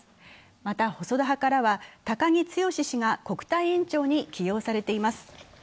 また細田派からは高木毅氏が国対委員長にされています。